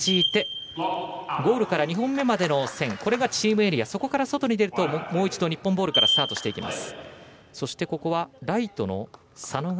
ゴールから２本目までの線がチームエリアで外に出るともう一度、日本ボールからスタートしていきます。